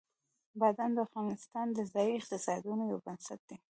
بادام د افغانستان د ځایي اقتصادونو یو بنسټ دی.